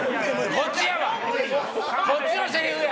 こっちのセリフや！